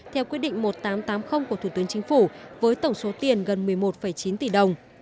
theo quyết định một nghìn tám trăm tám mươi của thủ tướng chính phủ với tổng số tiền gần một mươi một chín tỷ đồng